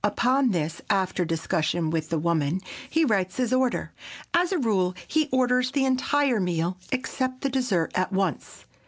Upon this, after discussion with the woman, he writes his order. As a rule he orders the entire meal, except the dessert, at once.